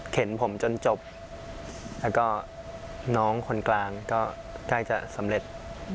เห็นผมจนจบแล้วก็น้องคนกลางก็ใกล้จะสำเร็จ